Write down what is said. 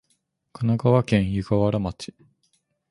神奈川県湯河原町